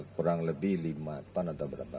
kurang lebih lima ton atau berapa